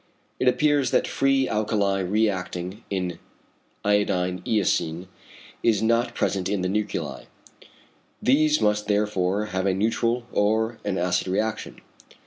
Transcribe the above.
It appears that free alkali reacting on iodine eosine is not present in the nuclei; these must therefore have a neutral or an acid reaction.